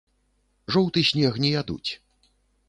Жоўты снег не ядуць.